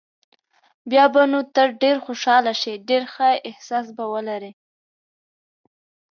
بیا به نو ته ډېر خوشاله شې، ډېر ښه احساس به ولرې.